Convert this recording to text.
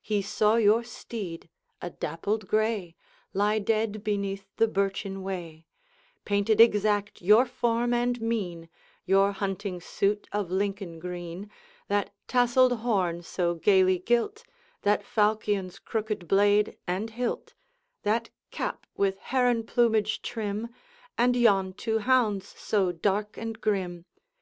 He saw your steed, a dappled gray, Lie dead beneath the birchen way; Painted exact your form and mien, Your hunting suit of Lincoln green, That tasselled horn so gayly gilt, That falchion's crooked blade and hilt, That cap with heron plumage trim, And yon two hounds so dark and grim.